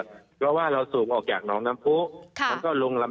เพราะว่าเราสูบออกจากหนองน้ำผูก